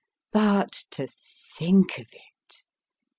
But to think of it